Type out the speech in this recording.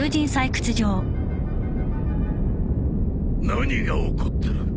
何が起こってる。